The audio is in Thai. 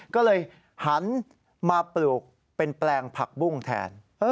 ก็เลยหันมาปลูกเป็นแปลงผักบุ้งแทน